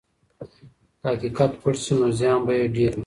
که حقیقت پټ سي نو زیان به یې ډېر وي.